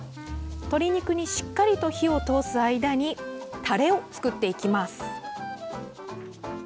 鶏肉にしっかりと火を通す間にタレを作っていきます。